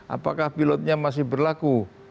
apakah pilotnya masih berlaku